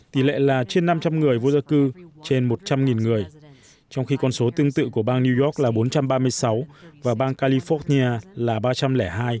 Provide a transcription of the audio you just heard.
tỷ lệ là trên năm trăm linh người vô gia cư trên một trăm linh người trong khi con số tương tự của bang new york là bốn trăm ba mươi sáu và bang california là ba trăm linh hai